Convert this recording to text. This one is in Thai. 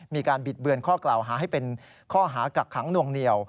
บิดเบือนข้อกล่าวหาให้เป็นข้อหากักขังนวงเหนียว